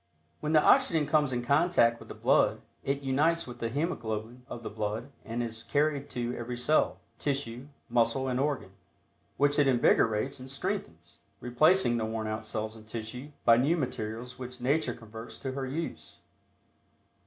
When the oxygen comes in contact with the blood, it unites with the hemoglobin of the blood and is carried to every cell, tissue, muscle and organ, which it invigorates and strengthens, replacing the worn out cells and tissue by new materials which Nature converts to her use.